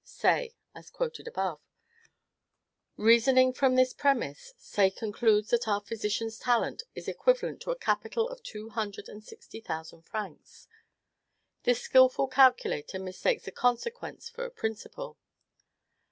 (Say, as above quoted.) Reasoning from this premise, Say concludes that our physician's talent is equivalent to a capital of two hundred and sixty thousand francs. This skilful calculator mistakes a consequence for a principle.